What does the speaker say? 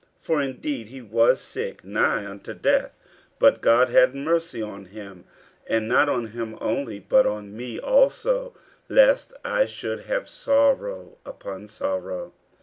50:002:027 For indeed he was sick nigh unto death: but God had mercy on him; and not on him only, but on me also, lest I should have sorrow upon sorrow.